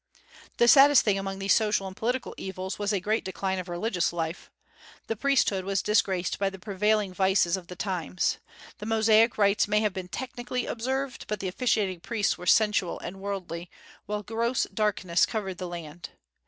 The saddest thing among these social and political evils was a great decline of religious life. The priesthood was disgraced by the prevailing vices of the times. The Mosaic rites may have been technically observed, but the officiating priests were sensual and worldly, while gross darkness covered the land.